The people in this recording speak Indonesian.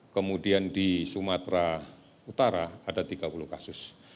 kemudian di sumatera utara ada tiga puluh kasus